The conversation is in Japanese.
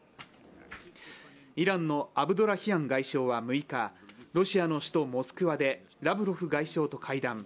イランのアブドラヒアン外相は６日、ロシアの首都モスクワでラブロフ外相と会談。